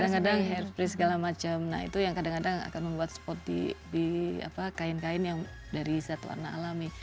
kadang kadang harprise segala macam nah itu yang kadang kadang akan membuat spot di kain kain yang dari zat warna alami